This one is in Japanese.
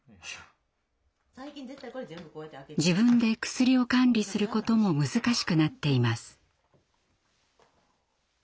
自分で薬を管理することも難しくなっています。